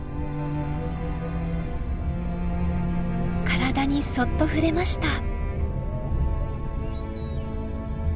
体にそっと触れました。